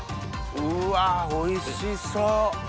うわおいしそう。